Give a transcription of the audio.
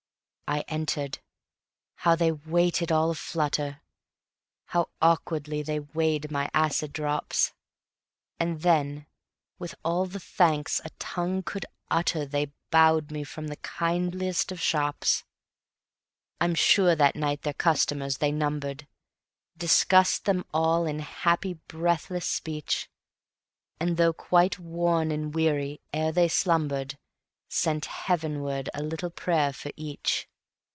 I entered: how they waited all a flutter! How awkwardly they weighed my acid drops! And then with all the thanks a tongue could utter They bowed me from the kindliest of shops. I'm sure that night their customers they numbered; Discussed them all in happy, breathless speech; And though quite worn and weary, ere they slumbered, Sent heavenward a little prayer for each.